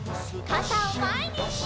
かたをまえに！